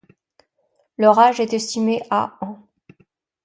Leur âge est estimé à ans.